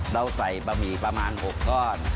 เราใส่บะหมี่ประมาณ๖ก้อน